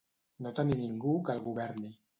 No tenir ningú que el governi.